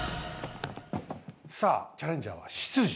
さあチャレンジャーは「しつじ」